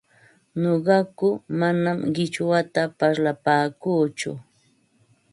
Nuqaku manam qichwata parlapaakuuchu,